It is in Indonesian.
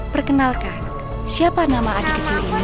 perkenalkan siapa nama adik kecil ini